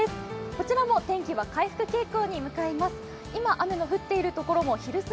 こちらも天気は回復傾向に向かいます。